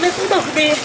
oh ini segini dengkul